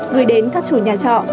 gửi đến các chủ nhà trọ